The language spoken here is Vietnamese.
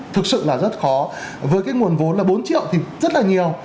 thực sự là rất khó với cái nguồn vốn là bốn triệu thì rất là nhiều